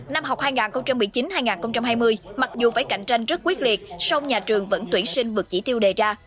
năm học hai nghìn một mươi chín hai nghìn hai mươi mặc dù phải cạnh tranh rất quyết liệt song nhà trường vẫn tuyển sinh vượt chỉ tiêu đề ra